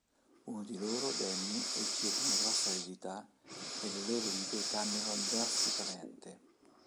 Uno di loro, Danny, riceve una grossa eredità e le loro vite cambiano drasticamente.